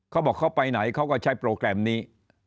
เขาบอกเขาไปไหนเขาก็ใช้โปรแกรมนี้